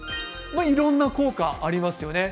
いろんな効果がありますよね。